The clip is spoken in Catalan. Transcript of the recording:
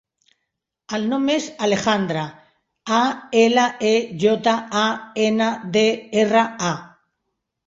El nom és Alejandra: a, ela, e, jota, a, ena, de, erra, a.